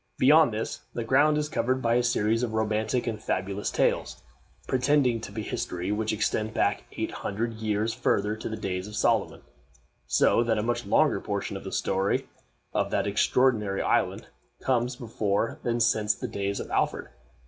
Beyond this the ground is covered by a series of romantic and fabulous tales, pretending to be history, which extend back eight hundred years further to the days of Solomon; so that a much longer portion of the story of that extraordinary island comes before than since the days of Alfred.